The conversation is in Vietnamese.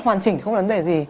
hoàn chỉnh thì không có lấn đề gì